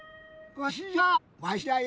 わしじゃよ。